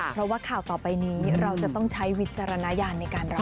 เพราะว่าข่าวต่อไปนี้เราจะต้องใช้วิจารณญาณในการรับ